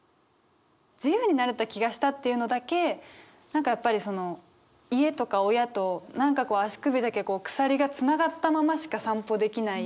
「自由になれた気がした」っていうのだけ何かやっぱりその家とか親と何かこう足首だけ鎖がつながったまましか散歩できない